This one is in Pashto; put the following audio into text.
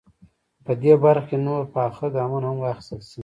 په دې برخه کې نور پاخه ګامونه هم واخیستل.